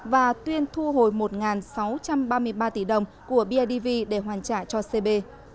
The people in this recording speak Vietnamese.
và tuyên thu hồi một sáu trăm ba mươi ba tỷ đồng của bidv để hoàn trả cho cb